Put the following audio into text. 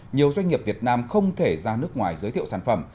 nhiều doanh nghiệp việt nam không thể ra nước ngoài giới thiệu sản phẩm